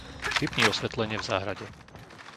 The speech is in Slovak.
Vypni osvetlenie v záhrade.